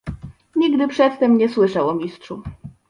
"Nigdy przedtem nie słyszał o Mistrzu."